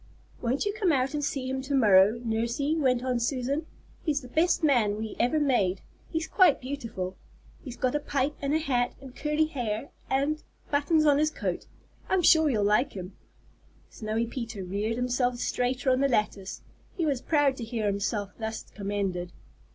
"Won't you come out and see him to morrow, Nursey?" went on Susan. "He's the best man we ever made. He's quite beautiful. He's got a pipe and a hat and curly hair and buttons on his coat I'm sure you'll like him." Snowy Peter reared himself straighter on the lattice. He was proud to hear himself thus commended.